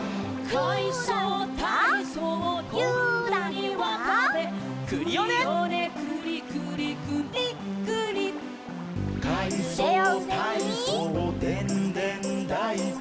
「かいそうたいそうでんでんだいこ」